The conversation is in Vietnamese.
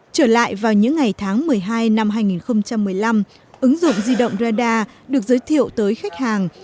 trở lại vào những ngày tháng một mươi hai năm hai nghìn một mươi năm ứng dụng di động radar được giới thiệu tới khách hàng